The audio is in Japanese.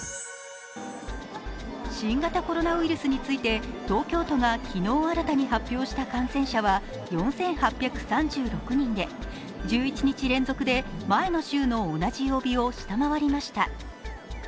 新型コロナウイルスについて東京都が昨日新たに発表した感染者は４８３６人で１１日連続で前の週の同じ曜日を下回りました。